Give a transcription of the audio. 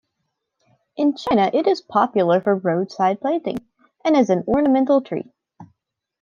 In China, it is popular for roadside planting and as an ornamental tree.